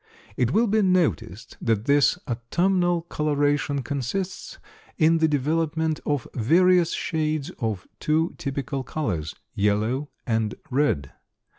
It will be noticed that this autumnal coloration consists in the development of various shades of two typical colors, yellow and red.